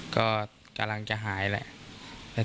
ก็กำลังจะหายแหละ